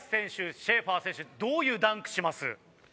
シェーファー選手どういうダンクします？